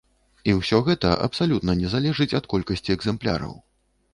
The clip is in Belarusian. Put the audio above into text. І ўсё гэта абсалютна не залежыць ад колькасці экзэмпляраў.